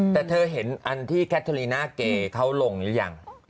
แต่เธอเห็นอันที่แคทธินาเกย์เขาลงรึยัง